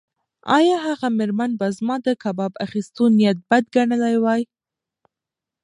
ایا هغه مېرمن به زما د کباب اخیستو نیت بد ګڼلی وای؟